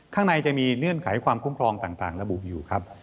ข้างในจะมีเงื่อนไขความคุ้มครองต่างระบุอยู่ครับ